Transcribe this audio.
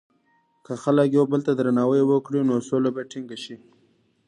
که خلک یو بل ته درناوی وکړي، نو سوله به ټینګه شي.